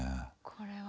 これは。